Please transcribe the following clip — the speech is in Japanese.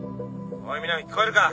おい南聞こえるか？